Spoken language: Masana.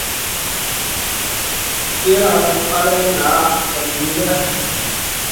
Iyran balley nah kam miguè.